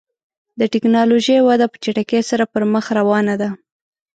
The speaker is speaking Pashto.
د ټکنالوژۍ وده په چټکۍ سره پر مخ روانه ده.